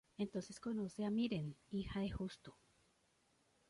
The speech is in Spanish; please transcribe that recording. Entonces conoce a Miren, hija de Justo.